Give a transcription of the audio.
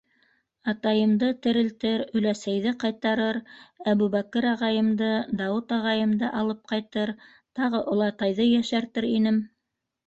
Атайымды... терелтер, өләсәйҙе ҡайтарыр, Әбүбәкер ағайымды, Дауыт ағайымды алып ҡайтыр, тағы... олатайҙы йәшәртер инем.